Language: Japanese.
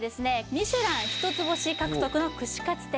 ミシュラン一つ星獲得の串カツ店